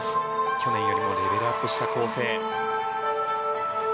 去年よりもレベルアップした構成。